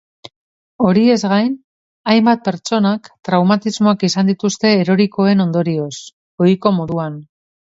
Horiez gain, hainbat pertsonak traumatismoak izan dituzte erorikoen ondorioz, ohiko moduan.